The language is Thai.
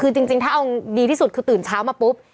คือจริงถ้าเอาดีที่สุดคือตื่นเช้ามาปุ๊บ